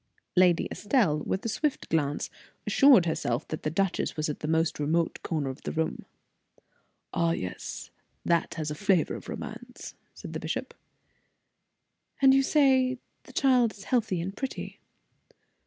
Lady Estelle, with a swift glance, assured herself that the duchess was at the most remote corner of the room. "Ah, yes, that has a flavor of romance," said the bishop. "And you say the child is healthy and pretty?"